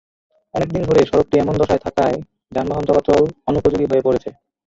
অনেক দিন ধরে সড়কটি এমন দশায় থাকায় যানবাহন চলাচল অনুপযোগী হয়ে পড়েছে।